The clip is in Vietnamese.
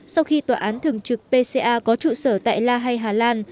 sau khi tòa án thường trực pca có trụ sở tại la hay hà lan